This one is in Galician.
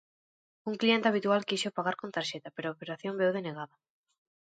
Un cliente habitual quixo pagar con tarxeta, pero a operación veu denegada.